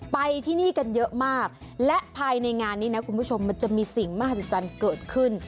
ไปที่นี่กันเยอะมากและภายในงานนี้นะคุณผู้ชมมันจะมีสิ่งมหัศจรรย์เกิดขึ้น